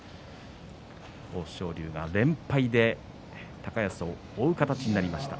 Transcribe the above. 豊昇龍が連敗で高安を追う形になりました。